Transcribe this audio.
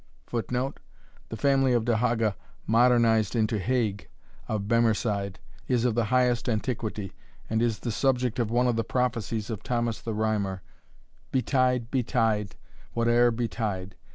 [Footnote: The family of De Haga, modernized into Haig, of Bemerside, is of the highest antiquity, and is the subject of one of the prophecies of Thomas the Rhymer: Betide, betide, whate'er betide.